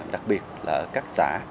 đặc biệt là các xã